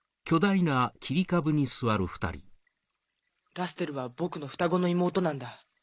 ラステルは僕の双子の妹なんだ。